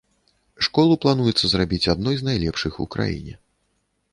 Школу плануецца зрабіць адной з найлепшых у краіне.